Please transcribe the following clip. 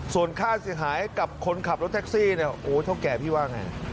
ส่วนค่าเสียหายกับคนขับรถแท็กซี่เนี่ยโอ้เท่าแก่พี่ว่าไง